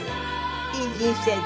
いい人生で。